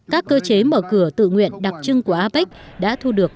các cơ chế mở cửa tự nguyện đặc trưng của apec đã thu được